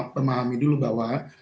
pemahami dulu bahwa